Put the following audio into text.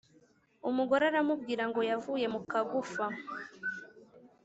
Umugore aramubwira ngo yavuye mu kagufa.